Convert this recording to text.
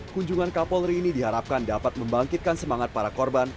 kunjungan kapolri ini diharapkan dapat membangkitkan semangat para korban